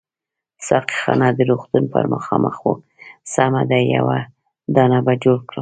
ساقي خانه د روغتون پر مخامخ وه، سمه ده یو دانه به جوړ کړم.